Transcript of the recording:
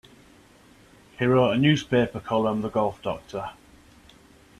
He wrote a newspaper column, The Golf Doctor.